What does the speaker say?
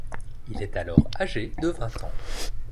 Il est alors âgé de vingt ans.